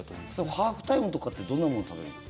ハーフタイムとかってどんなものを食べるんですか？